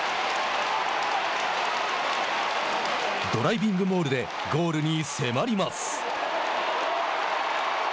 ドライビングモールでゴールに迫ります。